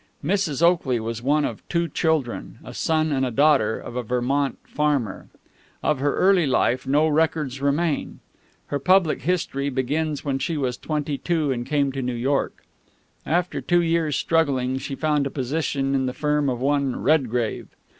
Mrs. Oakley was one of two children, a son and a daughter, of a Vermont farmer. Of her early life no records remain. Her public history begins when she was twenty two and came to New York. After two years' struggling, she found a position in the firm of one Redgrave.